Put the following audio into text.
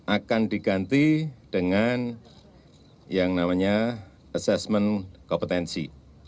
akan diganti dengan yang namanya assessment kompetensi